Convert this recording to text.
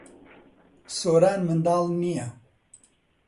سۆران منداڵ نییە.